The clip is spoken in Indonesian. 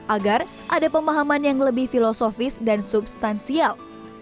agar ada pemahaman yang lebih filosofis dan substansial